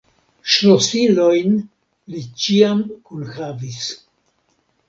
Ŝlosilojn li ĉiam kunhavis.